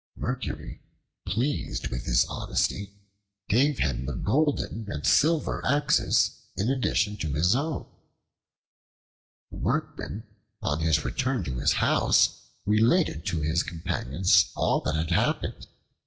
Mercury, pleased with his honesty, gave him the golden and silver axes in addition to his own. The Workman, on his return to his house, related to his companions all that had happened.